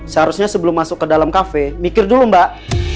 seharusnya sebelum masuk ke dalam kafe mikir dulu mbak